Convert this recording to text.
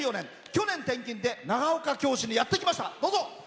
去年転勤で長岡京市にやって来ました。